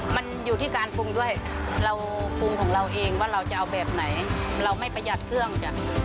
มันอยู่ที่การปรุงด้วยเราปรุงของเราเองว่าเราจะเอาแบบไหนเราไม่ประหยัดเครื่องจ้ะ